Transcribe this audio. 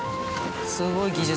すごい技術。